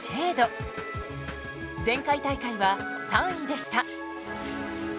前回大会は３位でした。